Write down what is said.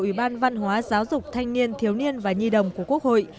ủy ban văn hóa giáo dục thanh niên thiếu niên và nhi đồng của quốc hội